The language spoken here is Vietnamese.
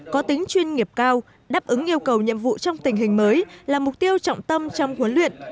có tính chuyên nghiệp cao đáp ứng yêu cầu nhiệm vụ trong tình hình mới là mục tiêu trọng tâm trong huấn luyện